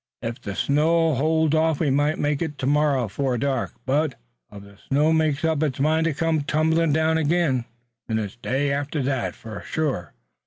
Ef the snow holds off we might make it tomorrow afore dark, but ef the snow makes up its mind to come tumblin' down ag'in, it's the day after that, fur shore."